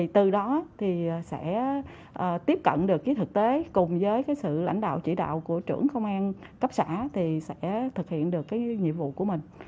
từ đó thì sẽ tiếp cận được thực tế cùng với sự lãnh đạo chỉ đạo của trưởng công an cấp xã thì sẽ thực hiện được nhiệm vụ của mình